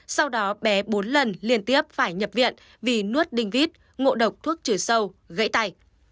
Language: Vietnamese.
sau đó bé bốn lần liên tiếp phải nhập viện vì nuốt đinh vít ngộ độc thuốc trừ sâu gãy tay